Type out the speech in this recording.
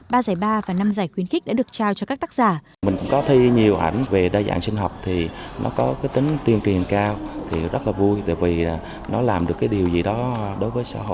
ba giải ba và năm giải khuyến khích đã được trao cho các tác giả